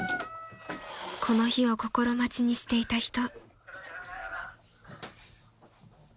［この日を心待ちにしていた人］